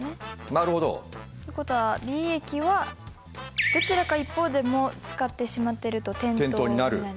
なるほど！ってことはＢ駅はどちらか一方でも使ってしまっていると点灯になる。